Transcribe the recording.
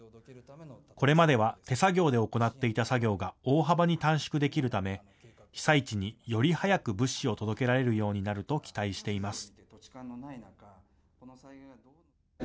これまでは手作業で行っていた作業が大幅に短縮できるため被災地に、より早く物資を届けられるようになると期待しています。